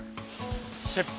出発！